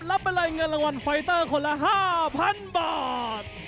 รางวัลไฟเตอร์คนละห้าพันบาท